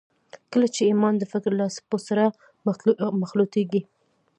کله چې ایمان د فکر له څپو سره مخلوطېږي